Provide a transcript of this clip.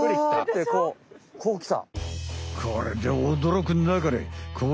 これでおどろくなかれ。